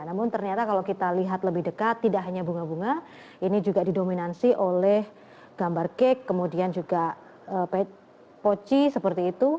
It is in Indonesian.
namun ternyata kalau kita lihat lebih dekat tidak hanya bunga bunga ini juga didominasi oleh gambar cake kemudian juga pochci seperti itu